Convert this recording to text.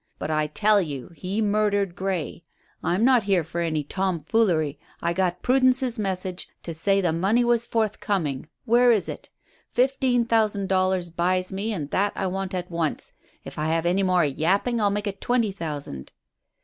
But I tell you he murdered Grey. I'm not here for any tomfoolery. I got Prudence's message to say the money was forthcoming. Where is it? Fifteen thousand dollars buys me, and that I want at once. If I have any more yapping I'll make it twenty thousand."